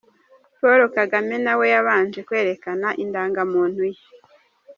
Paul Kagame na we yabanje kwerekana Indangamuntu ye.